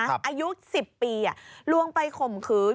อายุ๑๐ปีลวงไปข่มขืน